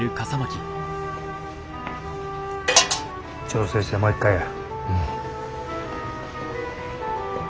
調整してもう一回や。